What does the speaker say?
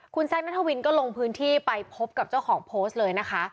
คุณแซคนัทวินก็ลงพื้นที่ไปพบกับเจ้าของโพสต์เลยนะคะ